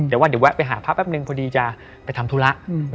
แต่ว่าเดี๋ยวแวะไปหาพระแป๊บนึงพอดีจะไปทำธุระ